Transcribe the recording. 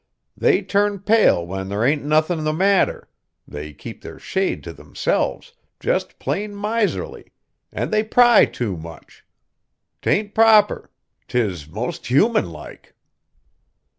They turn pale when there ain't nothin' the matter; they keep their shade t' themselves, jest plain miserly; an' they pry too much. 'T ain't proper; 't is 'most human like."